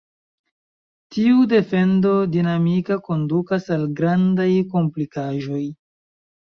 Tiu defendo dinamika kondukas al grandaj komplikaĵoj.